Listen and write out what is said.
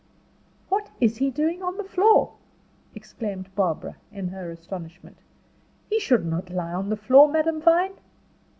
"What is he doing on the floor?" exclaimed Barbara, in her astonishment. "He should not lie on the floor, Madame Vine."